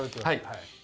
はい。